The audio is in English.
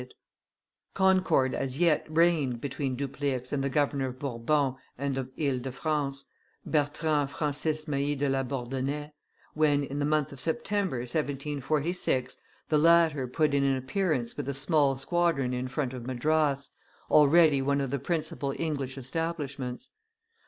[Illustration: Dupleix 168] Concord as yet reigned between Dupleix and the governor of Bourbon and of Ile de France, Bertrand Francis Mahe de La Bourdonnais, when, in the month of September, 1746, the latter put in an appearance with a small squadron in front of Madras, already one of the principal English establishments.